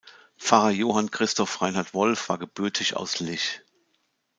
Pfarrer Johann Christoph Reinhard Wolf war gebürtig aus Lich.